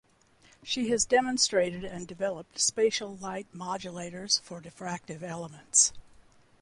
She has demonstrated and developed spatial light modulators for diffractive elements.